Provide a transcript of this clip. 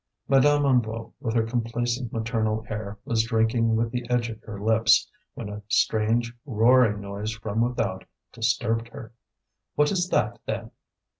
Madame Hennebeau, with her complacent maternal air, was drinking with the edge of her lips, when a strange roaring noise from without disturbed her. "What is that, then?"